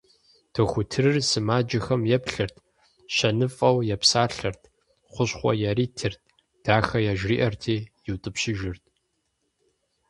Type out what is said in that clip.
Дохутырыр сымаджэхэм еплъырт, щэныфӀэу епсалъэрт, хущхъуэ яритырт, дахэ яжриӀэрти иутӀыпщыжырт.